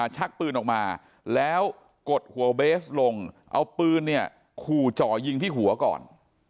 ชักปืนออกมาแล้วกดหัวเบสลงเอาปืนเนี่ยขู่จ่อยิงที่หัวก่อน